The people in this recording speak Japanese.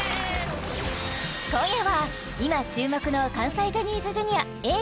今夜は今注目の関西ジャニーズＪｒ．Ａぇ！